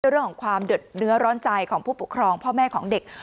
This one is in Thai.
เรื่องของความเดือดเนื้อร้อนใจของผู้ปกครองพ่อแม่ของเด็ก